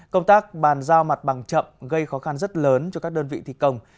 công tác bàn giao mặt bằng chậm gây khó khăn rất lớn cho các đơn vị thi công